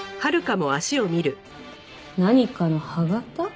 何かの歯形？